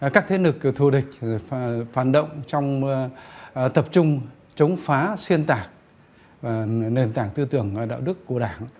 các thế lực thù địch phản động trong tập trung chống phá xuyên tạc nền tảng tư tưởng đạo đức của đảng